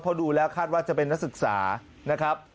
พอดูแล้วคาดว่าจะเป็นนักศึกษานะครับ